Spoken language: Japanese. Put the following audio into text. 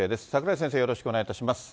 櫻井先生、よろしくお願いいたします。